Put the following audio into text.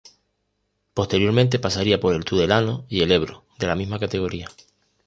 Posteriormente pasaría por el Tudelano y el Ebro, de la misma categoría.